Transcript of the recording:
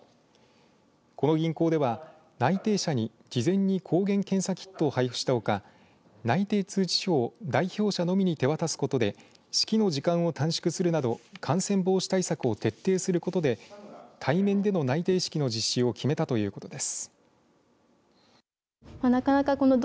この銀行では、内定者に事前に抗原検査キットを配布したほか内定通知書を代表者のみに手渡すことで式の時間を短縮するなど感染防止対策を徹底することで対面での内定式の実施を決めたということです。